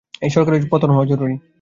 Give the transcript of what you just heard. এই সরকারের পতন হওয়া জরুরি।